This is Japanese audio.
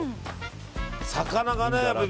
魚がね。